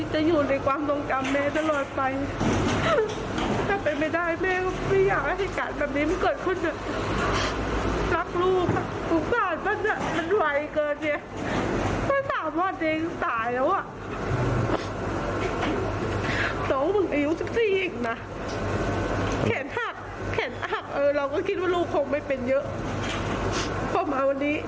ตายเลยอะ